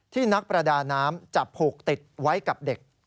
นักประดาน้ำจับผูกติดไว้กับเด็ก